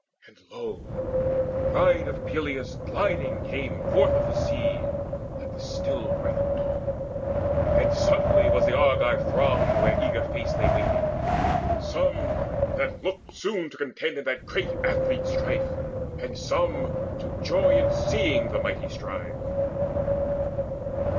And lo, the Bride of Peleus gliding came Forth of the sea, like the still breath of dawn, And suddenly was with the Argive throng Where eager faced they waited, some, that looked Soon to contend in that great athlete strife, And some, to joy in seeing the mighty strive.